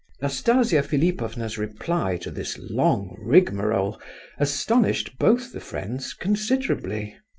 Nastasia Philipovna's reply to this long rigmarole astonished both the friends considerably.